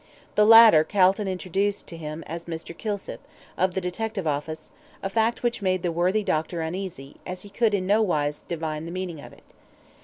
The latter Calton introduced to him as Mr. Kilsip, of the detective office, a fact which made the worthy doctor uneasy, as he could in no wise divine the meaning of it.